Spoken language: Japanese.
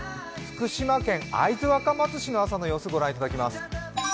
福島県会津若松市の朝の様子御覧いただきます。